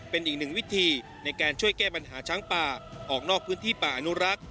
เป็นอีกหนึ่งวิธีในการช่วยแก้ปัญหาช้างป่าออกนอกพื้นที่ป่าอนุรักษ์